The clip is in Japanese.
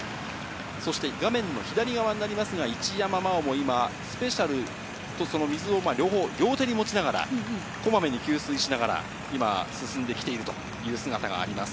そして画面の左側になりますが、一山麻緒も今、スペシャルと、その水を両方、両手に持ちながら、こまめに給水しながら今、進んできているという姿があります。